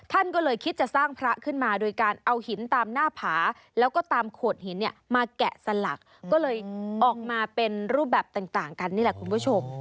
ท่านก็เลยคิดจะสร้างพระขึ้นมาโดยการเอาหินตามหน้าผาแล้วก็ตามโขดหินเนี่ยมาแกะสลักก็เลยออกมาเป็นรูปแบบต่างกันนี่แหละคุณผู้ชม